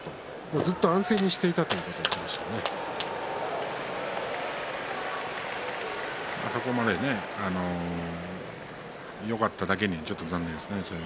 ずっと安静にしていたここまでよかっただけにちょっと残念ですよね。